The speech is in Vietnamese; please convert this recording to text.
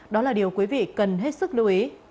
đó là điều quý vị cần hết sức lưu ý